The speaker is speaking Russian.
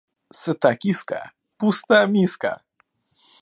Сыта киска, пуста миска.